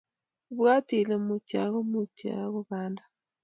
Ibwat ile mutyo ako mutyo ko banda